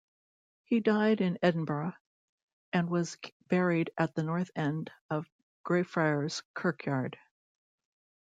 He died in Edinburgh and was buried at the north end of Greyfriars Kirkyard.